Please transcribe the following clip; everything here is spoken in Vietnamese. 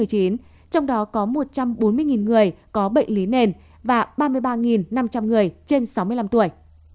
trong đó có một trăm bốn mươi người có bệnh lý nền và ba mươi ba năm trăm linh người trên sáu mươi năm tuổi